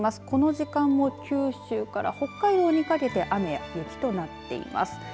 この時間も九州から北海道にかけて雨や雪となっています。